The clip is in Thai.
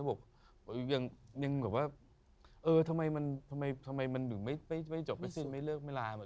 บอกว่าทำไมมันไม่จบไปสิ้นไม่เลิกไม่ลา